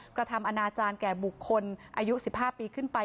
กระทำอนาจารย์แก่บุคคลอายุ๑๕ปีขึ้นไป